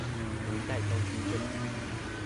明代張居正